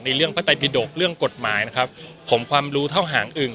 เรื่องพระไตปิดกเรื่องกฎหมายนะครับผมความรู้เท่าหางอึ่ง